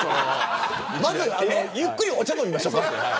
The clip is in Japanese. まず、ゆっくりお茶飲みましょうか。